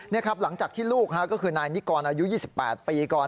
นี่ครับหลังจากที่ลูกก็คือนายนิกรอายุ๒๘ปีก่อน